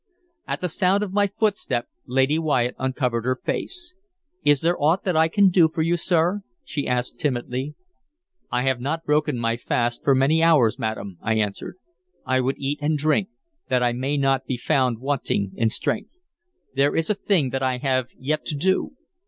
At the sound of my footstep Lady Wyatt uncovered her face. "Is there aught that I can do for you, sir?" she asked timidly. "I have not broken my fast for many hours, madam," I answered. "I would eat and drink, that I may not be found wanting in strength. There is a thing that I have yet to do."